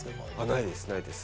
ないです、ないです。